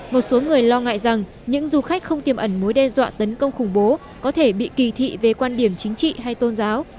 một số người lo ngại rằng những du khách không tiêm ẩn mối đe dọa tấn công khủng bố có thể bị kỳ thị về quan điểm chính trị hay tôn giáo